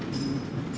và nó tiêu cực